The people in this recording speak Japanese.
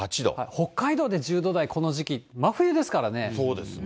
北海道で１１度台、この時期、真冬ですからね。